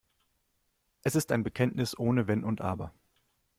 Es ist ein Bekenntnis ohne Wenn und Aber.